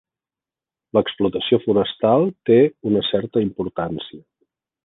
L'explotació forestal té una certa importància.